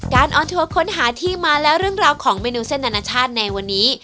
ออนทัวร์ค้นหาที่มาและเรื่องราวของเมนูเส้นอนาชาติในวันนี้